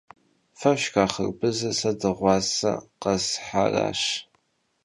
Fe fşşxa xharbızır se dığuase khesharaş.